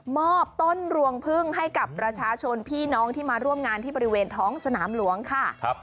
อบต้นรวงพึ่งให้กับประชาชนพี่น้องที่มาร่วมงานที่บริเวณท้องสนามหลวงค่ะ